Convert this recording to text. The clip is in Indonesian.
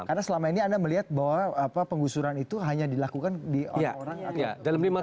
karena selama ini anda melihat bahwa penggusuran itu hanya dilakukan di orang orang